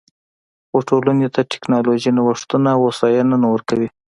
خو ټولنې ته ټکنالوژیکي نوښتونه او هوساینه نه ورکوي